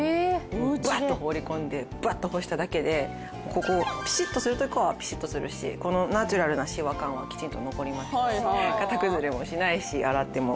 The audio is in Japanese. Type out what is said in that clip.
ブワッと放り込んでバッと干しただけでここピシッとするところはピシッとするしこのナチュラルなしわ感はきちんと残りましたし型崩れもしないし洗っても。